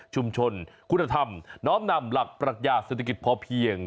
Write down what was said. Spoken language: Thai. ชุมชนคุณธรรมน้อมนำหลักปรักยาศิลปิกฤติพอเพียง